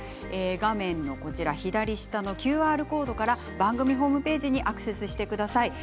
画面の左下のＱＲコードから番組ホームページにアクセスしてください。